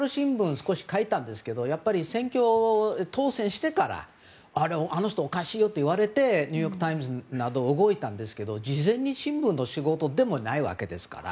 少し書いたんですけどやっぱり、選挙当選してからあの人おかしいよと言われてニューヨーク・タイムズなどが動いたんですけど事前に新聞の仕事でもないわけですから。